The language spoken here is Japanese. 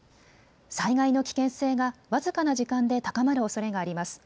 災害の危険性が僅かな時間で高まるおそれがあります。